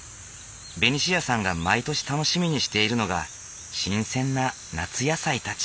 ベニシアさんが毎年楽しみにしているのが新鮮な夏野菜たち。